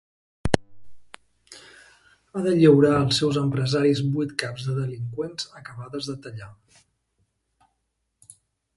Ha de lliurar als seus empresaris vuit caps de delinqüents acabades de tallar.